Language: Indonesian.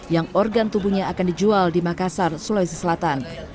yang organ tubuhnya akan dijual di makassar sulawesi selatan